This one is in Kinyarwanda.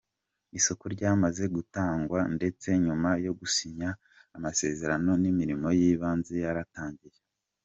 Isoko ryamaze gutangwa ndetse nyuma yo gusinya amasezerano n’imirimo y’ibanze yaratangiye.